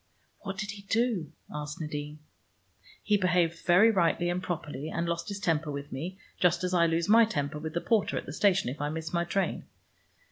"What did he do?" asked Nadine. "He behaved very rightly and properly, and lost his temper with me, just as I lose my temper with the porter at the station if I miss my train.